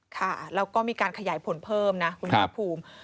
ค่ะแล้วก็มีการขยายผลเพิ่มนะคุณภาคภูมิ